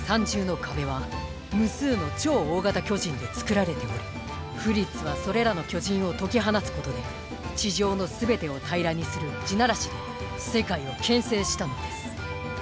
３重の壁は無数の超大型巨人で作られておりフリッツはそれらの巨人を解き放つことで地上のすべてを平らにする「地鳴らし」で世界を牽制したのです。